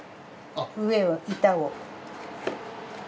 上を板を。